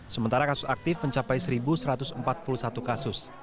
sementara kasus aktif mencapai satu satu ratus empat puluh satu kasus